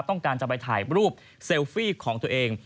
ต้องการจะไปถ่ายรูปเซลฟี่ของตัวเอง